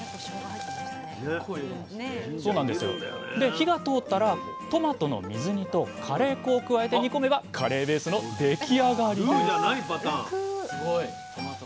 火が通ったらトマトの水煮とカレー粉を加えて煮込めばカレーベースの出来上がりです